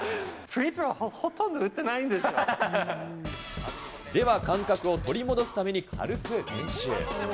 フリースローほとんど打ってないでは感覚を取り戻すために、軽く練習。